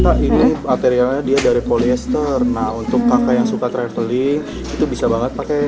pak ini materialnya dia dari polyester nah untuk kakak yang suka traveling itu bisa banget pakai